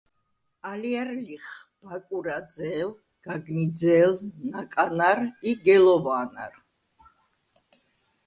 ალჲარ ლიხ: ბაკურაძე̄ლ, გაგნიძე̄ლ, ნაკანარ ი გელოვა̄ნარ.